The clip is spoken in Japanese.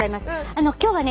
あの今日はね